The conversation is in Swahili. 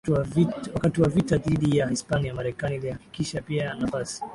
Wakati wa vita dhidi ya Hispania Marekani ilihakikisha pia nafasi